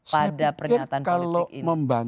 pada pernyataan politik ini